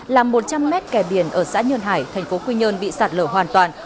làm một trăm linh mét kè biển ở xã nhơn hải thành phố quy nhơn bị sạt lở hoàn toàn